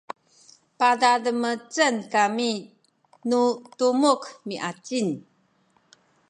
padademecen kami nu tumuk miacin